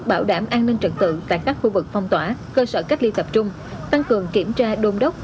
bảo đảm an ninh trật tự tại các khu vực phong tỏa cơ sở cách ly tập trung tăng cường kiểm tra đôn đốc